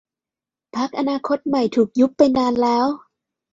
พรรคอนาคตใหม่ถูกยุบไปนานแล้ว